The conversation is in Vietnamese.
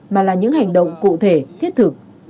mà là những hành động cụ thể thiết thực